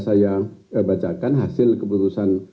saya bacakan hasil keputusan